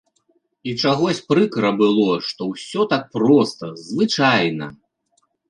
І чагось прыкра было, што ўсё так проста, звычайна.